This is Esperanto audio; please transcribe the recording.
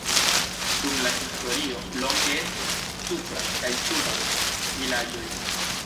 Dum la historio longe estis "Supra" kaj "Suba" vilaĝoj.